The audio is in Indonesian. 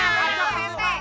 ngantai apa kagak